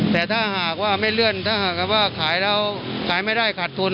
แต่ถ้าหากว่าไม่เลื่อนถ้าหากว่าขายแล้วขายไม่ได้ขาดทุน